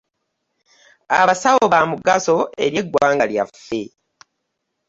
Abasawo bamugaso eri eggwanga lyaffe.